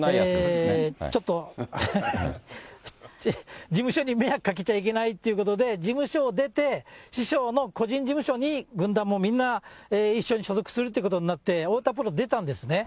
ちょっと、事務所に迷惑かけちゃいけないということで、事務所を出て、師匠の個人事務所に軍団もみんな一緒に所属するってことになって、太田プロ出たんですね。